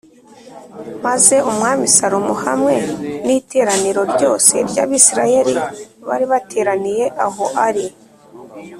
Maze Umwami Salomo hamwe n’iteraniro ryose ry’Abisirayeli bari bateraniye aho ari